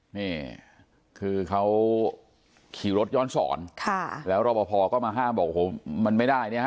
นี่คือเขาขี่รถย้อนสอนแล้วเราประพอก็มาห้ามบอกว่ามันไม่ได้